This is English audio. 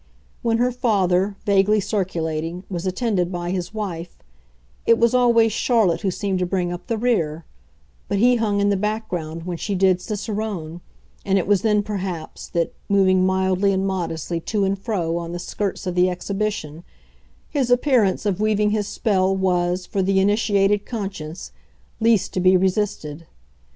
When her father, vaguely circulating, was attended by his wife, it was always Charlotte who seemed to bring up the rear; but he hung in the background when she did cicerone, and it was then perhaps that, moving mildly and modestly to and fro on the skirts of the exhibition, his appearance of weaving his spell was, for the initiated conscience, least to be resisted.